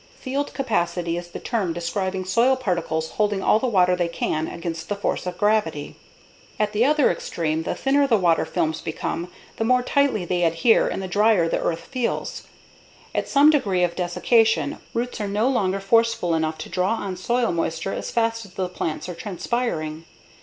"Field capacity" is the term describing soil particles holding all the water they can against the force of gravity. At the other extreme, the thinner the water films become, the more tightly they adhere and the drier the earth feels. At some degree of desiccation, roots are no longer forceful enough to draw on soil moisture as fast as the plants are transpiring.